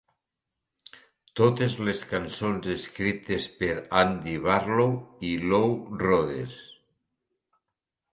Totes les cançons escrites per Andy Barlow i Lou Rhodes.